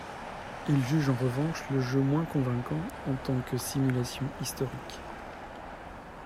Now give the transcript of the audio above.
Il juge en revanche le jeu moins convaincant en tant que simulation historique.